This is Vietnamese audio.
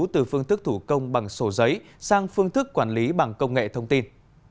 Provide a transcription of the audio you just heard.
từ phương thức thủ công bằng sổ giấy sang phương thức quản lý bằng công nghệ thông tin